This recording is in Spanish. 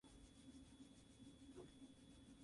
Jorge Federico tuvo muchos hijos.